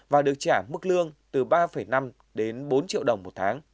và được trả mức lương từ ba năm đến bốn triệu đồng một tháng